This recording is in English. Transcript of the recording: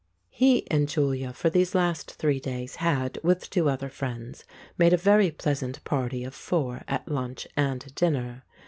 He and Julia for these last three days had, with two other friends, made a very pleasant party of four at lunch and dinner.